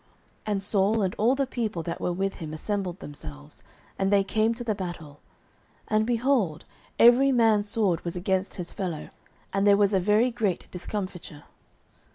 09:014:020 And Saul and all the people that were with him assembled themselves, and they came to the battle: and, behold, every man's sword was against his fellow, and there was a very great discomfiture.